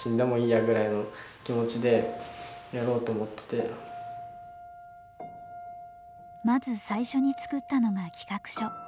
僕自身まず最初に作ったのが企画書。